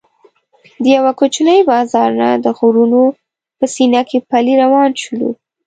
د یوه کوچني بازار نه د غرونو په سینه کې پلی روان شولو.